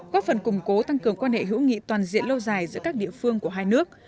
góp phần củng cố tăng cường quan hệ hữu nghị toàn diện lâu dài giữa các địa phương của hai nước